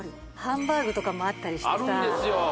ハンバーグとかもあったりしてさあるんですよ